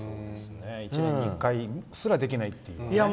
１年に一回すらできないという。